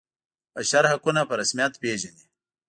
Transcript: بشر حقونه په رسمیت پيژني.